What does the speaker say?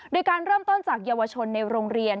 โดยการเริ่มต้นจากเยาวชนในโรงเรียน